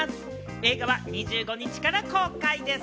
映画は２５日から公開です。